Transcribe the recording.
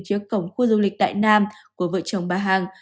trước cổng khu du lịch đại nam của vợ chồng bà hằng